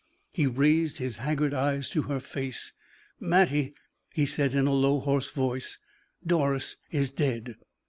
He raised his haggard eyes to her face. "Mattie!" he said, in a low, hoarse voice. "Doris is dead!"